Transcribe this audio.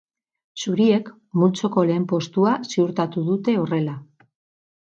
Zuriek multzoko lehen postua ziurtatu dute horrela.